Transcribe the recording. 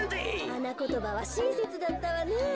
はなことばはしんせつだったわね。